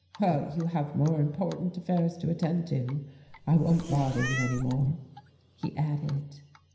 "Well, you have more important affairs to attend to, I won't bother you any more," he added.